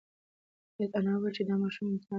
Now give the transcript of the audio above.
انا وویل چې دا ماشوم امتحان دی.